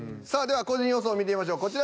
さあでは個人予想を見てみましょう。